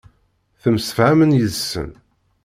Temsefhamem yid-sen.